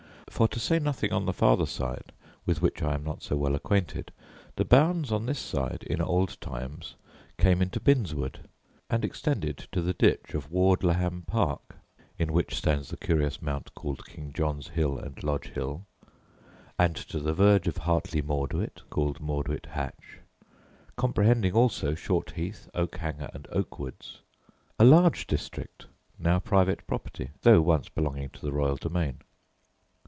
For, to say nothing on the farther side, with which I am not so well acquainted, the bounds on this side, in old times, came into Binswood; and extended to the ditch of Ward le Ham park, in which stands the curious mount called King John's Hill, and Lodge Hill; and to the verge of Hartley Mauduit, called Mauduit hatch; comprehending also Short heath, Oakhanger, and Oakwoods; a large district, now private property, though once belonging to the royal domain.